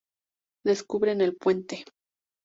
Descubren el Puente.